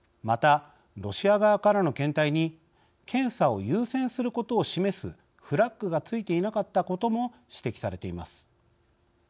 また、ロシア側からの検体に検査を優先することを示すフラッグがついていなかったことも指摘されています。